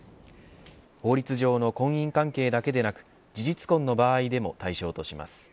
法律上の婚姻関係だけでなく事実婚の場合でも対象とします。